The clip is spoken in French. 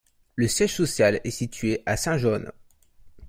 Le siège social est situé à Saint John.